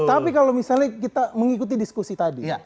tapi kalau misalnya kita mengikuti diskusi tadi